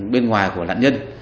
bên ngoài của lãnh nhân